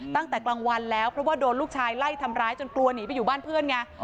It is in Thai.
ตั้งแต่กลางวันแล้วเพราะว่าโดนลูกชายไล่ทำร้ายจนกลัวหนีไปอยู่บ้านเพื่อนไง